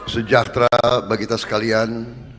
sejahtera bagi kita sekalian